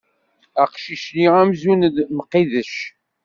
Aqcic-nni amzun d Mqidec.